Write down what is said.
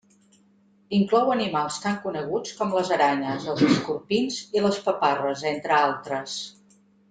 Inclou animals tan coneguts com les aranyes, els escorpins i les paparres, entre altres.